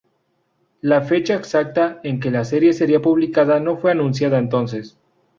La fecha exacta en que la serie sería publicada no fue anunciada entonces.